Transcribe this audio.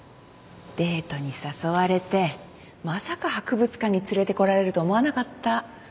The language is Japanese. デートに誘われてまさか博物館に連れてこられると思わなかった。